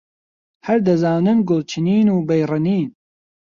هەر دەزانن گوڵ چنین و بەی ڕنین